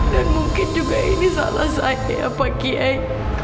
dan mungkin juga ini salah saya pak kiai